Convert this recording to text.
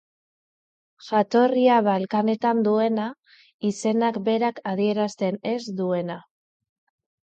Jatorria Balkanetan duena, izenak berak adierazten ez duena.